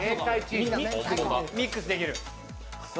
ミックスできる。